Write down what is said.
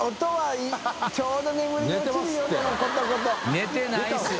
寝てないですよ。